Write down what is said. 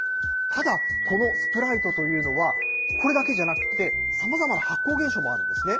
ただ、このスプライトというのは、これだけじゃなくって、さまざまな発光現象もあるんですね。